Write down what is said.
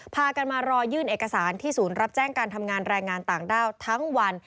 พากันมารอยื่นเอกสารที่ศูนย์รับแจ้งการทำงานแรงงานต่างด้าวทั้งวัน